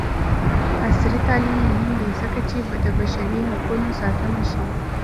عصري تعلیم مهم دی ځکه چې د بشري حقونو ساتنه ښيي.